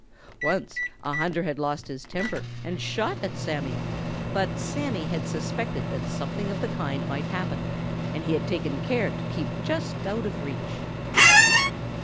Once a hunter had lost his temper and shot at Sammy, but Sammy had suspected that something of the kind might happen, and he had taken care to keep just out of reach.